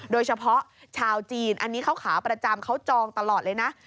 โดยเฉพาะชาวจีนอันนี้ข้าวขาวประจำเขาจองตลอดเลยนะ